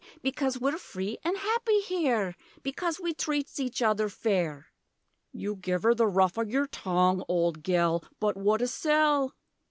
Becoz we're free an' happy here, Becoz we treats each other fair!' You giv 'er the rough o' yer tongue, old gel, But what a sell!